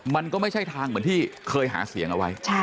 มันก็ไม่ใช่ทางเหมือนที่เคยหาเสียงเอาไว้